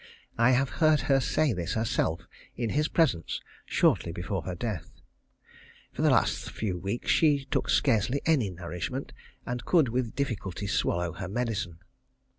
I have heard her say this herself, in his presence, shortly before her death. For the last few weeks she took scarcely any nourishment, and could with difficulty swallow her medicine.